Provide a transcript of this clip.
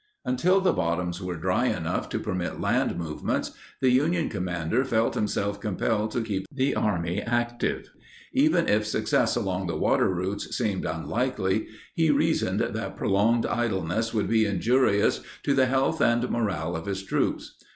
Until the bottoms were dry enough to permit land movements, the Union commander felt himself compelled to keep the army active. Even if success along the water routes seemed unlikely, he reasoned that prolonged idleness would be injurious to the health and morale of his troops.